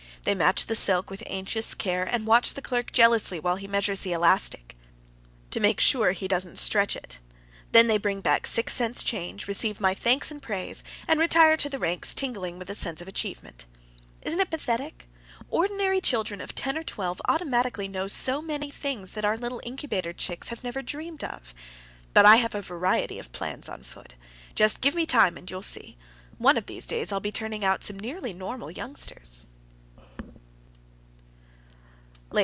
They match the silk with anxious care, and watch the clerk jealously while he measures the elastic, to make sure that he doesn't stretch it. Then they bring back six cents change, receive my thanks and praise, and retire to the ranks tingling with a sense of achievement. Isn't it pathetic? Ordinary children of ten or twelve automatically know so many things that our little incubator chicks have never dreamed of. But I have a variety of plans on foot. Just give me time, and you will see. One of these days I'll be turning out some nearly normal youngsters.